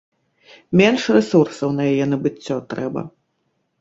Менш рэсурсаў на яе набыццё трэба.